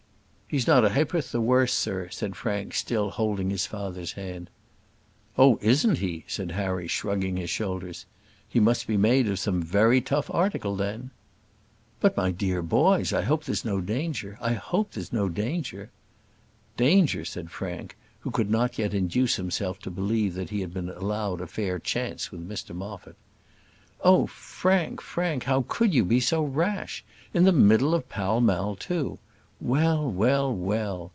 "He's not a ha'porth the worse, sir," said Frank, still holding his father's hand. "Oh, isn't he!" said Harry, shrugging his shoulders. "He must be made of some very tough article then." "But my dear boys, I hope there's no danger. I hope there's no danger." "Danger!" said Frank, who could not yet induce himself to believe that he had been allowed a fair chance with Mr Moffat. "Oh, Frank! Frank! how could you be so rash? In the middle of Pall Mall, too. Well! well! well!